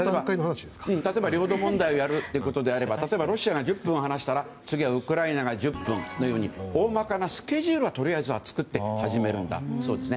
例えば領土問題をやるってことであればロシアが１０分話したら次はウクライナが１０分のように大まかなスケジュールをとりあえず作って始めるんだそうです。